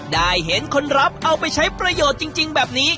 ได้เห็นคนรับเอาไปใช้ประโยชน์จริงแบบนี้